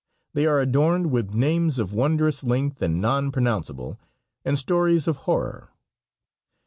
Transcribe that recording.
They are adorned with names of wondrous length and non pronounceable, and stories of horror.